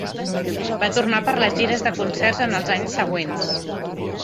Va tornar per a les gires de concerts en els anys següents.